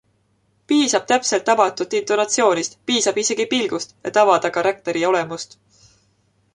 Piisab täpselt tabatud intonatsioonist, piisab isegi pilgust, et avada karakteri olemust.